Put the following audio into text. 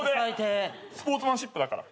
スポーツマンシップだから。